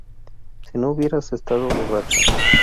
si no hubieras estado borracha.